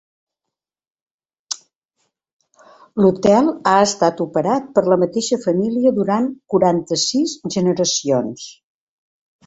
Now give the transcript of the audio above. L'hotel ha estat operat per la mateixa família durant quaranta-sis generacions.